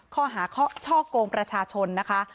ข้อหาช่อกงประชาชนนะคะ